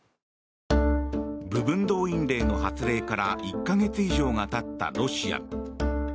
部分動員令の発令から１か月以上がたったロシア。